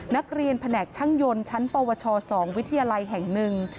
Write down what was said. นักเรียนแผนกช่างยนต์ชั้นปวช๒วิทยาลัยแห่งหนึ่ง